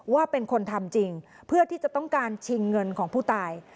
ว่าเป็นคนทำจริงเพื่อที่จะต้องการชิงเงินของผู้ตาย